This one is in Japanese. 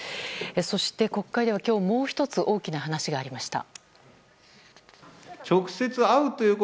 そして、国会ではもう１つ大きな話がありました。